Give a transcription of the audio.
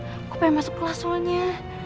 aku pengen masuk kelas soalnya